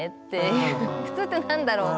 普通って何だろう？